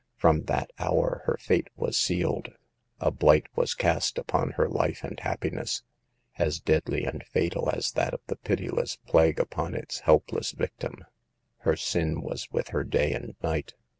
From that hour her fate was sealed. A blight was cast upon her life and happiness, as deadly and fatal as that of the pitiless plague upon its helpless victim. Her sin was with her day and night.